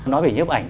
nói về nhếp ảnh